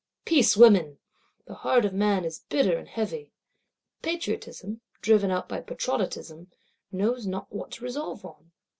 —Peace, women! The heart of man is bitter and heavy; Patriotism, driven out by Patrollotism, knows not what to resolve on.